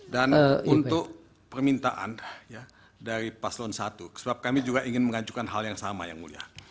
dan untuk permintaan dari paslon satu sebab kami juga ingin mengajukan hal yang sama yang mulia